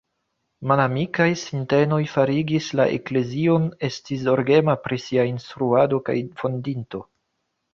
Malamikaj sintenoj farigis la eklezion esti zorgema pri sia instruado kaj fondinto.